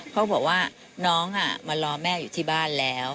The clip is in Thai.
เขาบอกว่าน้องมารอแม่อยู่ที่บ้านแล้ว